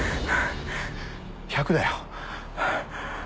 １００だよ。